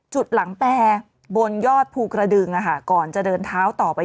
จุดหลังแปรบนยอดภูกระดึงก่อนจะเดินเท้าต่อไป